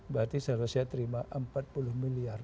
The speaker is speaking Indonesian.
berarti seharusnya terima empat puluh miliar